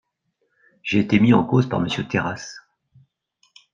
J’ai été mis en cause par Monsieur Terrasse.